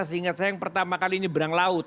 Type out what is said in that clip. seingat saya yang pertama kali ini berang laut